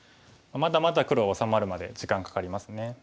まだまだ黒は治まるまで時間かかりますね。